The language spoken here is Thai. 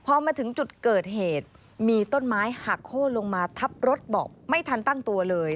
พอมาถึงจุดเกิดเหตุมีต้นไม้หักโค้นลงมาทับรถบอกไม่ทันตั้งตัวเลย